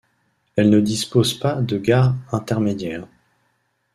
Elle ne dispose pas de gare intermédiaire.